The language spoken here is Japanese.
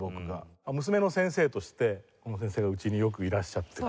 娘の先生として小野先生はうちによくいらっしゃってた。